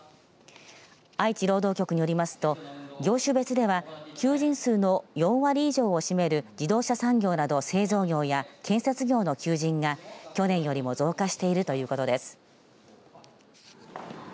愛知労働局によりますと業種別では求人数の４割以上を占める自動車産業など製造業や建設業の求人が去年よりも増加しているということです。